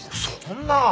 そんな！